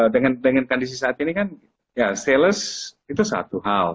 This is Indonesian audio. dengan kondisi saat ini kan ya sales itu satu hal